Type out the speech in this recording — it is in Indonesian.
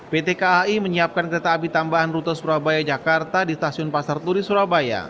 pt kai menyiapkan kereta api tambahan rute surabaya jakarta di stasiun pasar turi surabaya